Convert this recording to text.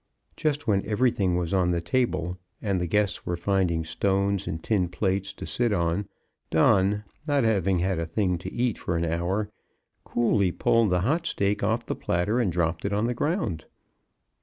Just when everything was on the table and the guests were finding stones and tin plates to sit on, Don, not having had a thing to eat for an hour, coolly pulled the hot steak off the platter and dropped it on the ground.